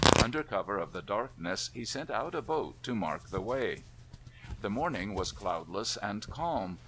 Under cover of the darkness he sent out a boat to mark the way. The morning was cloudless and calm.